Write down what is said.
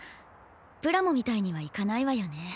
プラモみたいにはいかないわよね。